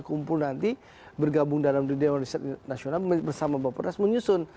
kumpul nanti bergabung dalam dewan riset nasional bersama bapak presiden menyusun